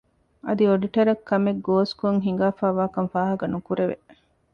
އަދި އޮޑިޓަރަށް ކަމެއްގޯސްކޮށް ހިނގާފައިވާކަން ފާހަގަނުކުރެވެ